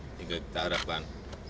sehingga kita harapkan